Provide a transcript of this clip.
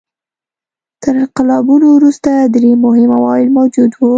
تر انقلابونو وروسته درې مهم عوامل موجود وو.